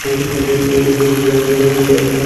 ওর খুশির জন্য যদি আমার বোকা বনতে হয়, তাতে সমস্যা কী!